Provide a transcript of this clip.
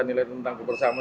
nilai tentang kebersamaan